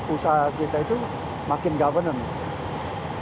usaha kita itu makin governance